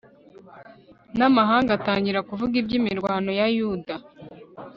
n'amahanga atangira kuvuga iby'imirwano ya yuda